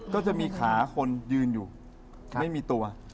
ก็จะมีขาคนยืนอยู่ไม่มีตัว